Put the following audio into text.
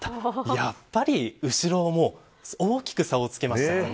やっぱり後ろを大きく差をつけましたからね。